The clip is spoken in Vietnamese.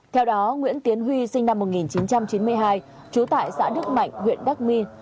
theo đó nguyễn tiến huy sinh năm một nghìn chín trăm chín mươi hai trú tại xã đức mạnh huyện đắc my